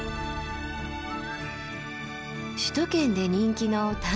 首都圏で人気の丹沢山。